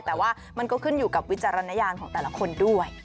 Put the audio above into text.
แต่ว่ามันก็ขึ้นอยู่กับวิจารณญาณของแต่ละคนด้วย